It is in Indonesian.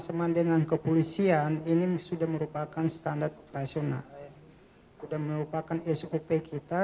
sama dengan kepolisian ini sudah merupakan standar operasional sudah merupakan sop kita